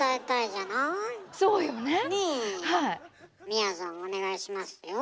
みやぞんお願いしますよ。